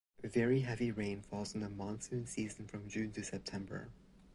Very heavy rain falls in the monsoon season from June to September.